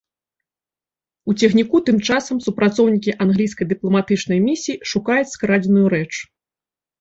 У цягніку тым часам супрацоўнікі англійскай дыпламатычнай місіі шукаюць скрадзеную рэч.